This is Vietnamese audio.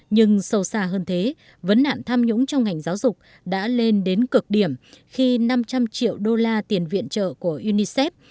nhưng sâu xa hơn thế vấn nạn tham nhũng trong ngành giáo dục đã lên đến cực điểm khi năm trăm linh triệu đô la tiền viện trợ của unicef